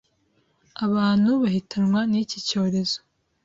abantu bahitanwa n’iki cyorezo.